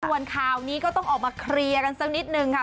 ส่วนข่าวนี้ก็ต้องออกมาเคลียร์กันสักนิดนึงค่ะ